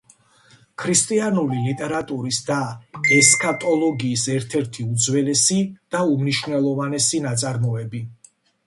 ქრისტიანული ლიტერატურის და ესქატოლოგიის ერთ-ერთი უძველესი და უმნიშვნელოვანესი ნაწარმოები.